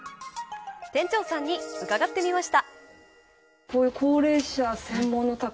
店長さんに伺ってみました。